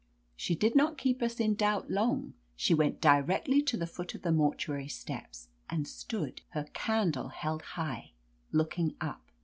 She did not keep us in doubt long. She went directly to the foot of the mortuary steps and stood, her candle held high, looking up.